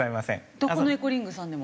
どこのエコリングさんでも？